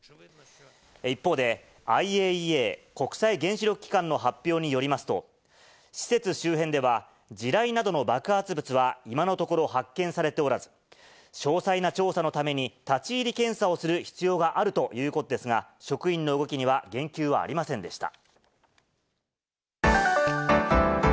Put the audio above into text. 一方で、ＩＡＥＡ・国際原子力機関の発表によりますと、施設周辺では、地雷などの爆発物は今のところ発見されておらず、詳細な調査のために立ち入り検査をする必要があるということですが、職員の動きには言及はありませんでした。